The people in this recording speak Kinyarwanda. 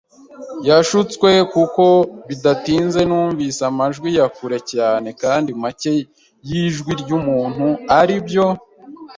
yashutswe, kuko bidatinze numvise amajwi ya kure cyane kandi make yijwi ryumuntu, aribyo,